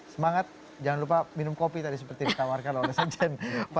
semangat jangan lupa minum kopi tadi seperti ditawarkan oleh sekjen